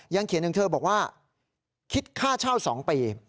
เขียนถึงเธอบอกว่าคิดค่าเช่า๒ปี